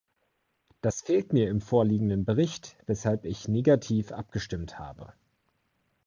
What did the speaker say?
Das fehlt mir im vorliegenden Bericht, weshalb ich negativ abgestimmt habe.